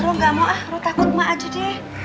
lo gak mau ah lo takut mak aja deh